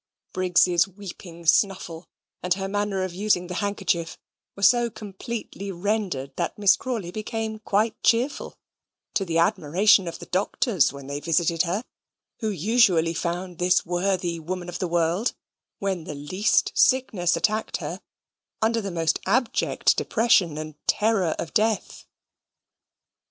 Briggs' weeping snuffle, and her manner of using the handkerchief, were so completely rendered that Miss Crawley became quite cheerful, to the admiration of the doctors when they visited her, who usually found this worthy woman of the world, when the least sickness attacked her, under the most abject depression and terror of death.